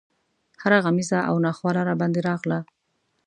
هره غمیزه او ناخواله راباندې راغله.